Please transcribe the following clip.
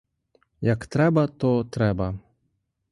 Як треба, то треба.